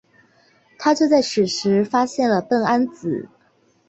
他就在此时发现了苯胺紫。